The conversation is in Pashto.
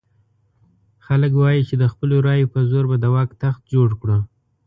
خلک وایي چې د خپلو رایو په زور به د واک تخت جوړ کړو.